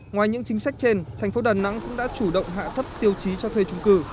ngoài những chính sách trên thành phố đà nẵng cũng đã chủ động hạ thấp tiêu chí cho thuê trung cư